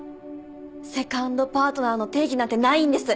セカンドパートナーの定義なんてないんです。